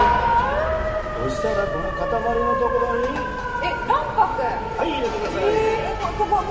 そしたら、この固まりのところにはい、入れてください。